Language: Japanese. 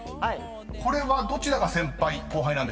これはどちらが先輩・後輩なんでしょう？］